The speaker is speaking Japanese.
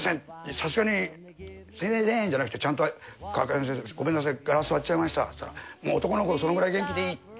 さすがにすみませんじゃなくてちゃんと「川上先生ごめんなさいガラス割っちゃいました」つったら「もう男の子そのくらい元気でいい」って。